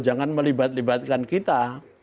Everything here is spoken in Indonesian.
jangan melibat libatkan kita